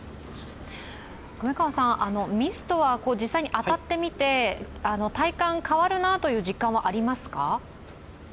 ミストは実際に当たってみて体感変わるなという実感はありますか？